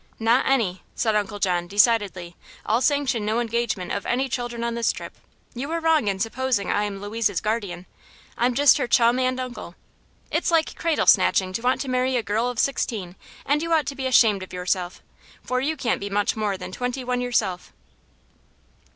"Not any," said Uncle John, decidedly. "I'll sanction no engagement of any children on this trip. You are wrong in supposing I am Louise's guardian I'm just her chum and uncle. It's like cradle snatching to want to marry a girl of sixteen, and you ought to be ashamed of yourself, for you can't be much more than twenty one yourself.